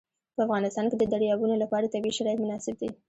په افغانستان کې د دریابونه لپاره طبیعي شرایط مناسب دي.